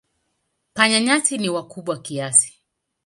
Panya-nyasi ni wakubwa kiasi.